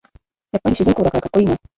やっぱり主人公だからかっこいいな